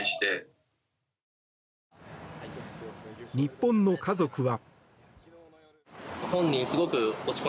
日本の家族は。